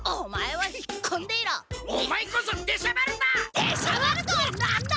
「でしゃばる」とは何だ！？